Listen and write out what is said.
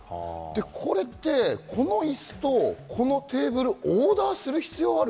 これってこのイスとこのテーブル、オーダーする必要がある？